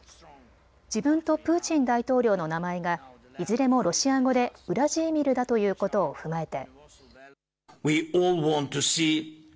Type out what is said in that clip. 自分とプーチン大統領の名前がいずれもロシア語でウラジーミルだということを踏まえて。